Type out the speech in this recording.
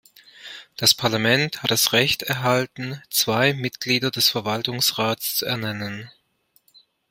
Das Parlament hat das Recht erhalten, zwei Mitglieder des Verwaltungsrats zu ernennen.